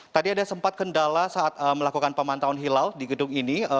tadi ada sempat kendala saat melakukan pemantauan hilal di gedung ini